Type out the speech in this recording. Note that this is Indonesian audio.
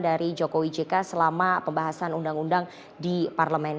dari jokowi jk selama pembahasan undang undang di parlemen